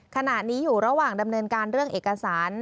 ขณะนี้อยู่ระหว่างดำเนินการเรื่องเอกสาร